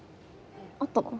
あったの？